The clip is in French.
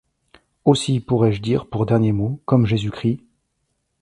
Aussi pourrais-je dire pour dernier mot, comme Jésus-Christ :